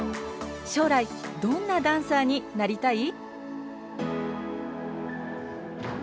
将来、どんなダンサーになりたい？